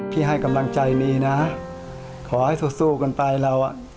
พี่ให้กำลังใจนี้นะขอให้สู้กันไปเรา